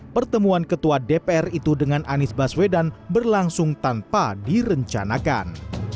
pertemuan ketua dpr itu dengan anies baswedan berlangsung tanpa direncanakan